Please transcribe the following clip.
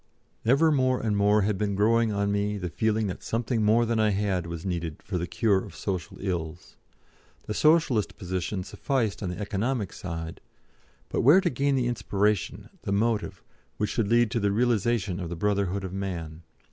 Ever more and more had been growing on me the feeling that something more than I had was needed for the cure of social ills. The Socialist position sufficed on the economic side, but where to gain the inspiration, the motive, which should lead to the realisation of the Brotherhood of Man?